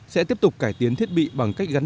sẽ tiếp tục cải tiến thiết bị bằng cách gắn